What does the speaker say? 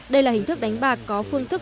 đây là hình thức đánh bạc có phương thức